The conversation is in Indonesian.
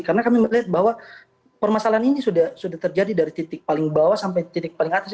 karena kami melihat bahwa permasalahan ini sudah terjadi dari titik paling bawah sampai titik paling atas